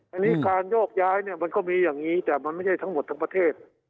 อันนี้การโยกย้ายเนี่ยมันก็มีอย่างนี้แต่มันไม่ใช่ทั้งหมดทั้งประเทศ